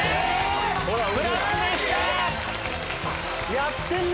やってんな。